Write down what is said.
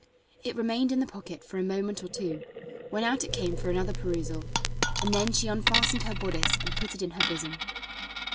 It remained in the pocket for a moment or two, when out it came for another perusal, and then she unfastened her bodice and put it in her bosom.